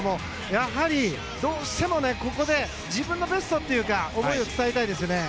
やはり、どうしてもここで、自分のベストというか思いを伝えたいですね。